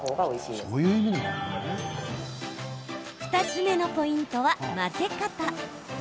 ２つ目のポイントは、混ぜ方。